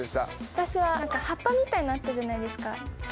私は何か葉っぱみたいなのあったじゃないですか？